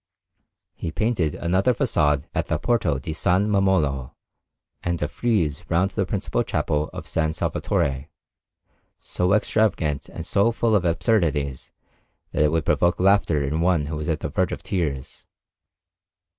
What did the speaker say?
He painted another façade at the Porta di S. Mammolo, and a frieze round the principal chapel of S. Salvatore, so extravagant and so full of absurdities that it would provoke laughter in one who was on the verge of tears.